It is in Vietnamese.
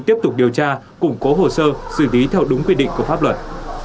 tiếp tục điều tra củng cố hồ sơ xử lý theo đúng quy định của pháp luật